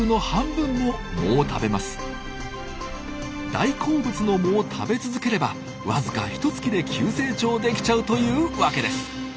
大好物の藻を食べ続ければ僅かひとつきで急成長できちゃうというわけです。